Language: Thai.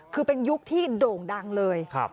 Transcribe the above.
คือเป็นยุคที่โด่งดังเลย